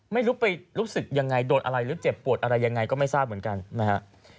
ไม่รู้ไปรู้สึกยังไงโดนอะไรหรือเจ็บปวดอะไรยังไงก็ไม่ทราบเหมือนกันนะฮะ